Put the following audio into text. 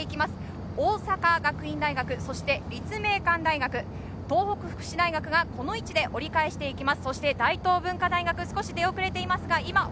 大阪学院大、立命館大学、東北福祉大学がこの位置で折り返していす。